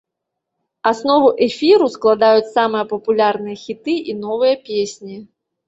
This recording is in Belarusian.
Аснову эфіру складаюць самыя папулярныя хіты і новыя песні.